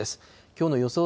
きょうの予想